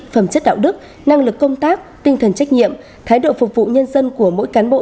phẩm chất đạo đức năng lực công tác tinh thần trách nhiệm thái độ phục vụ nhân dân của mỗi cán bộ